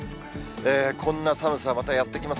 こんな寒さ、またやって来ます。